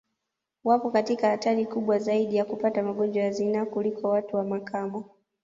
Wapo katika hatari kubwa zaidi ya kupata magonjwa ya zinaa kuliko watu wa makamo